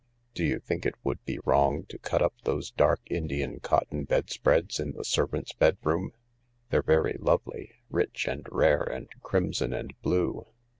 Do you think it would be wrong to cut up those dark Indian cotton bedspreads in the servant's bedroom ? They're very lovely —rich and rare and crimson and blue.